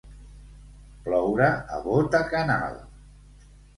Ploure a bota canal.